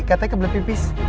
katanya ke belakang pipis